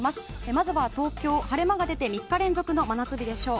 まずは東京、晴れ間が出て３日連続の真夏日でしょう。